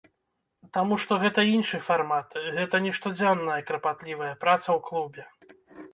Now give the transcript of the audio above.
Таму што гэта іншы фармат, гэта не штодзённая карпатлівая праца ў клубе.